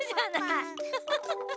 フフフフ。